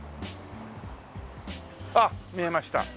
あっ見えました。